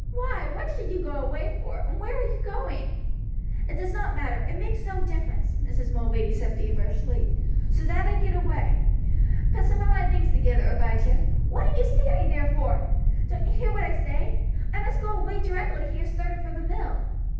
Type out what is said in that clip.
Why, what should you go away for, and where are you going?" "It does not matter; it makes no difference," Mrs. Mulready said feverishly, "so that I get away. Put some of my things together, Abijah. What are you staring there for? Don't you hear what I say? I must go away directly he has started for the mill."